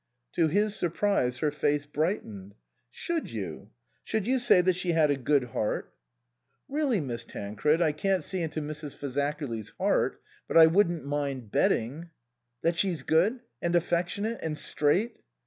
To his surprise her face brightened. " Should you? Should you say that she had a good heart?" 56 INLAND " Really, Miss Tancred, I can't see into Mrs. Fazakerly's heart, but I wouldn't mind bet ting " "That she's good? And affectionate? And straight